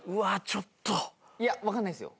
ちょっといや分かんないっすよ